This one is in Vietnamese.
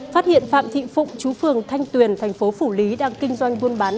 phát hiện phạm thị phụng chú phương thanh tuyền tp phủ lý đang kinh doanh buôn bán